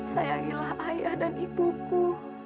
sayangilah ayah dan ibuku